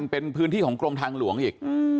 เป็นพื้นที่ของกรมทางหลวงอีก